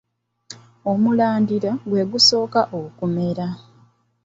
Omulandira gwe gusooka okumera.